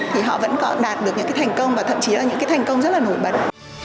thì họ vẫn có đạt được những cái thành công và thậm chí là những cái thành công rất là nổi bật